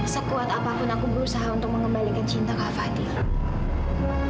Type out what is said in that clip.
sekuat apapun aku berusaha untuk mengembalikan cinta ke fadil